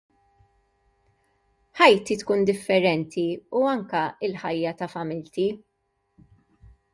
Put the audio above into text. Ħajti tkun differenti u anke l-ħajja ta' familti!